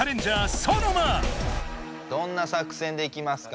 どんな作戦でいきますか？